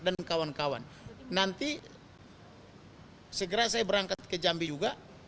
dan kawan kawan nanti segera saya berangkat ke jambi juga